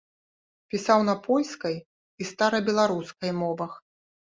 Пісаў на польскай і старабеларускай мовах.